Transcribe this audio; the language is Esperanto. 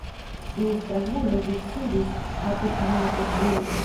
Iu strangulo ĵus sidis apud mia edzino